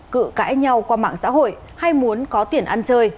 cự cãi nhau qua mạng xã hội hay muốn có tiền ăn chơi